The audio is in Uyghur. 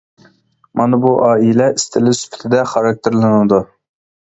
مانا بۇ، ئائىلە ئىستىلى سۈپىتىدە خاراكتېرلىنىدۇ.